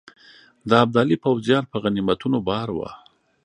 د ابدالي پوځیان په غنیمتونو بار وه.